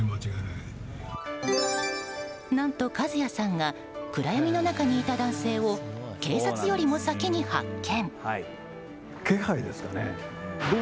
何と一也さんが暗闇の中にいた男性を警察よりも先に発見。